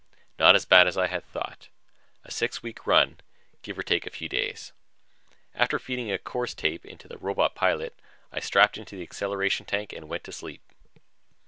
Not as bad as I had thought a six week run, give or take a few days. After feeding a course tape into the robot pilot, I strapped into the acceleration tank and went to sleep.